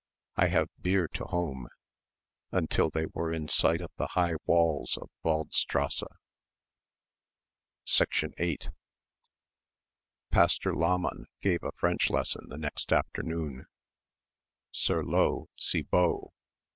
I have bier to home" until they were in sight of the high walls of Waldstrasse. 8 Pastor Lahmann gave a French lesson the next afternoon. "Sur l'eau, si beau!"